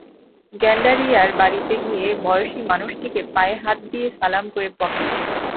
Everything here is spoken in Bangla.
গেন্ডারিয়ার বাড়িতে গিয়ে বয়সী মানুষটিকে পায়ে হাত দিয়ে সালাম করে পপি।